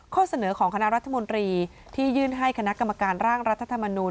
ข้อเสนอของคณะรัฐมนตรีที่ยื่นให้คณะกรรมการร่างรัฐธรรมนูล